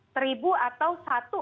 seribu atau satu